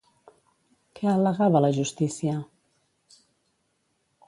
Què al·legava la justícia?